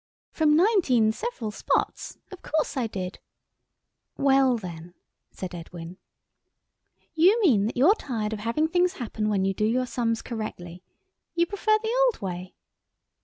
"From nineteen several spots. Of course I did." "Well then," said Edwin. "You mean that you're tired of having things happen when you do your sums correctly? You prefer the old way!"